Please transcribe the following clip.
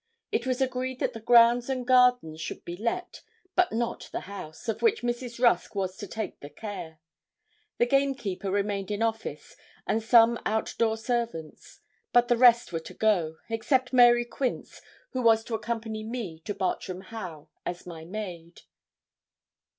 It was agreed that the grounds and gardens should be let, but not the house, of which Mrs. Rusk was to take the care. The gamekeeper remained in office, and some out door servants. But the rest were to go, except Mary Quince, who was to accompany me to Bartram Haugh as my maid.